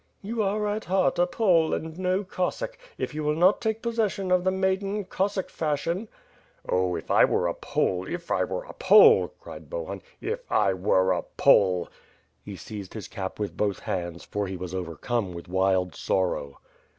"You are at heart a Pole and no Cossack; if you will not take possession of the maiden, Cossack fashion," "Oh, if I were a Pole! if I were a Pole!" cried Bohun. "If I were a Pole!" He seized his cap with both hands, for he was overcome with wild sorrow.